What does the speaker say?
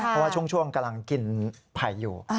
เพราะว่าช่วงกำลังกินไผ่อยู่